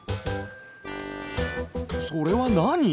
それはなに？